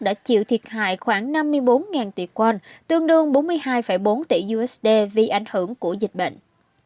đã chịu thiệt hại khoảng năm mươi bốn tỷ con tương đương bốn mươi hai bốn tỷ usd vì ảnh hưởng của dịch bệnh